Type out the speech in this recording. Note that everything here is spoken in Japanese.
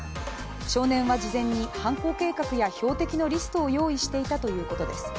少年は事前に犯行計画や標的のリストを用意していたということです。